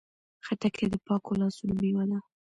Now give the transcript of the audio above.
خټکی د پاکو لاسونو میوه ده.